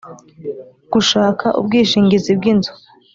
Gushaka ubwishingizi bw inzu